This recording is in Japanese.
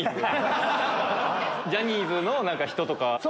ジャニーズの人とか。